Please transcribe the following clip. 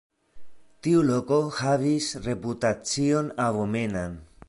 Tiu loko havis reputacion abomenan.